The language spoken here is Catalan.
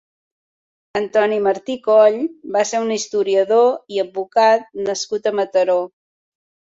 Antoni Martí Coll va ser un historiador i advocat nascut a Mataró.